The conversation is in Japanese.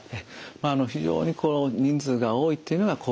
非常に人数が多いっていうのが高血圧ですね。